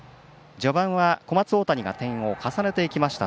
序盤は小松大谷が点を重ねていきました。